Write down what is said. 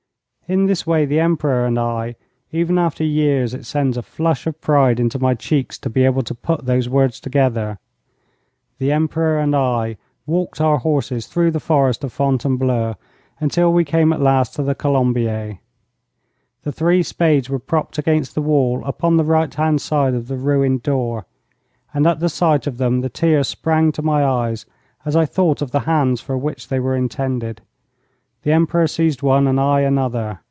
In this way the Emperor and I even after years it sends a flush of pride into my cheeks to be able to put those words together the Emperor and I walked our horses through the Forest of Fontainebleau, until we came at last to the Colombier. The three spades were propped against the wall upon the right hand side of the ruined door, and at the sight of them the tears sprang to my eyes as I thought of the hands for which they were intended. The Emperor seized one and I another.